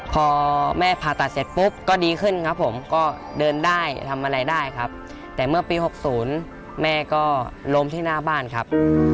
พอแม่ผ่าตัดเสร็จปุ๊บก็ดีขึ้นครับผมก็เดินได้ทำอะไรได้ครับแต่เมื่อปี๖๐แม่ก็ล้มที่หน้าบ้านครับ